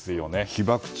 被爆地